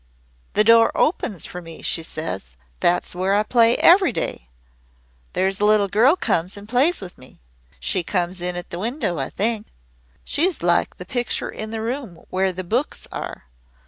"'The door opens for me,' she says. 'That's where I play every day. There's a little girl comes and plays with me. She comes in at the window, I think. She is like the picture in the room where the books are.